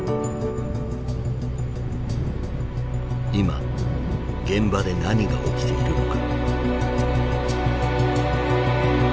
今現場で何が起きているのか。